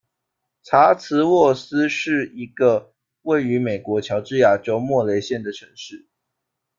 查茨沃思是一个位于美国乔治亚州莫雷县的城市。